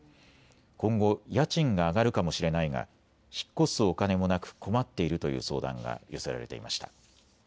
今後家賃が上がるかもしれないが引っ越すお金もなく困っているという相談が寄せられていました。